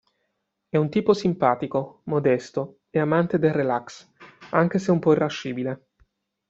È un tipo simpatico, modesto e amante del relax, anche se un po' irascibile.